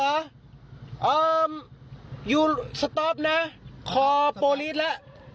เอิ่มยูสต๊อปนะคอโปรลิสล่ะ